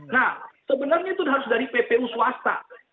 nah sebenarnya itu harus dari ppu swasta